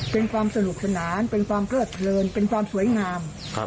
เป็นความสนุกสนานเป็นความเพลิดเพลินเป็นความสวยงาม